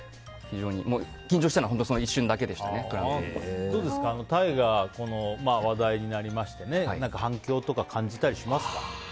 緊張したのはその一瞬だけでしたね大河、話題になりまして反響とか感じたりしますか？